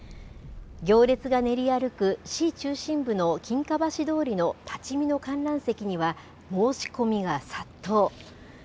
行列が練り歩く、市中心部の金華橋通りの立ち見の観覧席には、申し込みが殺到。